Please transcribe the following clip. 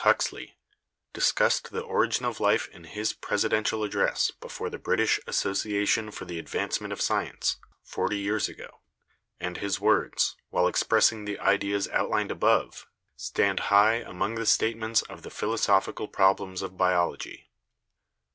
Huxley, discussed the origin of life in his Presidential Address before the British Association for the Advance ment of Science, forty years ago, and his words, while expressing the ideas outlined above, stand high among the statements of the philosophical problems of biology.